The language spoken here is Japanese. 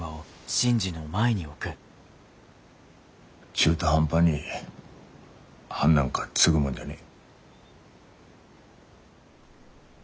中途半端に判なんかつぐもんじゃねえ。